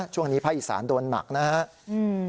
ช่วงนี้พระอิษฐานโดนหมักนะครับ